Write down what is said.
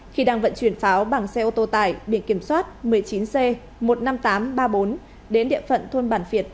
khi đang vận chuyển pháo bằng xe ô tô tải biển kiểm soát một mươi chín c một mươi năm nghìn tám trăm ba mươi bốn đến địa phận thôn bản việt